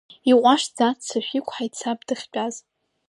Иҟәашӡа аццышә иқәҳаит саб дахьтәаз.